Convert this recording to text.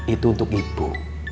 itu untuk ibu